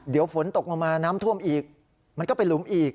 เดี๋ยวฝนตกลงมาน้ำท่วมอีกมันก็เป็นหลุมอีก